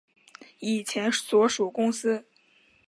以前所属公司